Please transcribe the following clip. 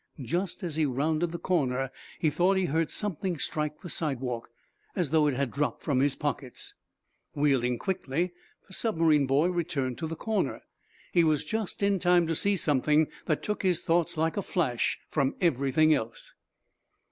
Just as he rounded the corner he thought he heard something strike the sidewalk, as though it had dropped from his pockets. Wheeling quickly, the submarine boy returned to the corner. He was just in time to see something that took his thoughts like a flash from everything else.